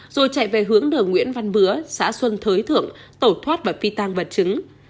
rồi chạy về hướng đường nguyễn văn bứa xã xuân thới thượng tổ thoát và phi tăng và trứng